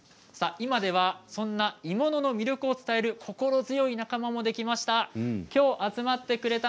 今ではそんな鋳物の魅力を伝える心強い仲間もできました。